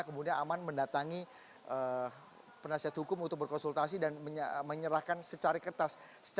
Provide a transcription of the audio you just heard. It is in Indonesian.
kemudian aman mendatangi penasihat hukum untuk berkonsultasi dan menyerahkan secari kertas